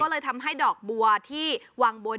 สุดยอดน้ำมันเครื่องจากญี่ปุ่น